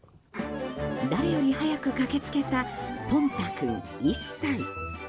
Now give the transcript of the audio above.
誰より早く駆け付けたぽんた君、１歳。